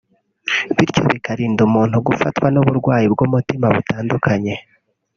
bityo bikarinda umuntu gufatwa n’uburwayi bw’umutima butandukanye